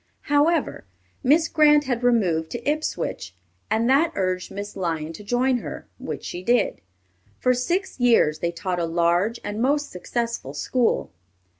However, Miss Grant had removed to Ipswich, and had urged Miss Lyon to join her, which she did. For six years they taught a large and most successful school.